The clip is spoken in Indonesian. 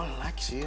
emang gue like sih